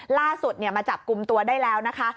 ล่าสุดมาจับกลุ่มตัวได้แล้วนะคะ